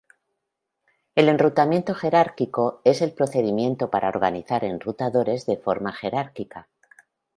El enrutamiento jerárquico es el procedimiento para organizar enrutadores de forma jerárquica.